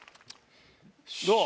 どう？